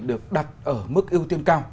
được đặt ở mức ưu tiên cao